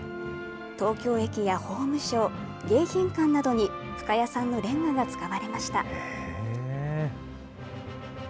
東京駅や法務省、迎賓館などに深谷産のれんがが使われました。